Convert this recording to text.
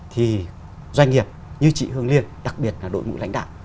thì doanh nghiệp như chị hương liên đặc biệt là đội ngũ lãnh đạo